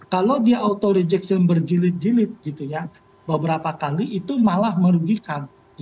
kalau dia auto rejection berjilid jilid gitu ya beberapa kali itu malah merugikan